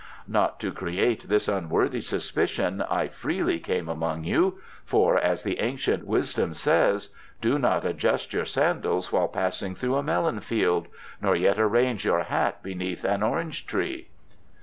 Not to create this unworthy suspicion I freely came among you, for, as the Ancient Wisdom says: 'Do not adjust your sandals while passing through a melon field, nor yet arrange your hat beneath an orange tree.